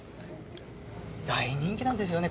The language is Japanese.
大人気なんですよね